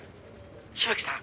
「芝木さん